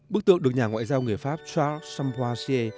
bức tượng được nhà ngoại giao người pháp charles sampoissier